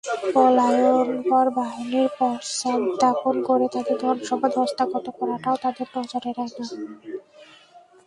পলায়নপর বাহিনীর পশ্চাদ্ধাবন করে তাদের ধন-সম্পদ হস্তগত করাটাও তাদের নজর এড়ায় না।